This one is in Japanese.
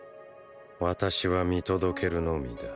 私は見届けるのみだ。